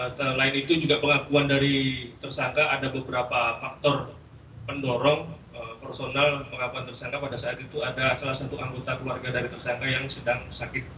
selain itu juga pengakuan dari tersangka ada beberapa faktor pendorong personal pengakuan tersangka pada saat itu ada salah satu anggota keluarga dari tersangka yang sedang sakit